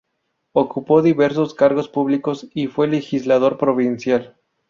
Ocupó diversos cargos públicos y fue legislador provincial.